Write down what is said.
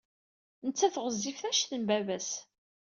Nettat ɣezzifet anect n baba-s.